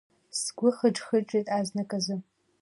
Сгәы хыџ-хыџит азнык азы.